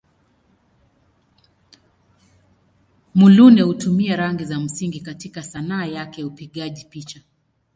Muluneh hutumia rangi za msingi katika Sanaa yake ya upigaji picha.